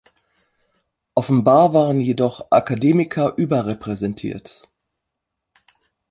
Offenbar waren jedoch Akademiker überrepräsentiert.